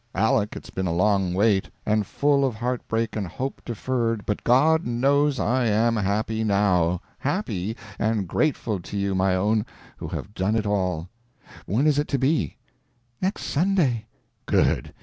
Aleck, it's been a long wait, and full of heartbreak and hope deferred, but God knows I am happy now. Happy, and grateful to you, my own, who have done it all. When is it to be?" "Next Sunday." "Good.